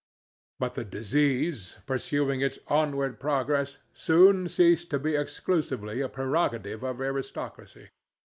But the disease, pursuing its onward progress, soon ceased to be exclusively a prerogative of aristocracy.